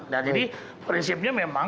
nah jadi prinsipnya memang